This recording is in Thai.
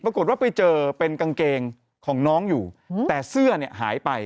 ปรากฏว่าไปเจอเป็นกางเกงของน้องอยู่แต่เสื้อเนี่ยหายไป